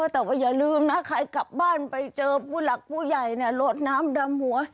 แต่ว่าอย่าลืมนะใครกลับบ้านไปเจอผู้หลักผู้ใหญ่โหลดน้ำดำหัว